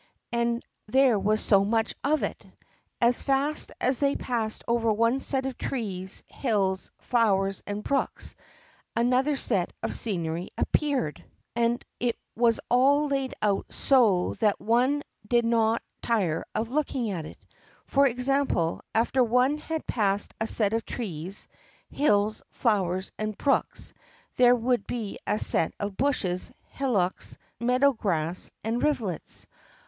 And there was so much of it! As fast as they passed over one set of trees, hills, flowers, and brooks, another set of scenery appeared. And it was all laid out so that one did not tire of looking at it. For example, after one had passed a set of trees, hills, flowers, and brooks, there would be a set of bushes, hillocks, meadow grass, and rivulets.